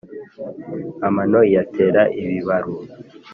Amano iyatera ibibaru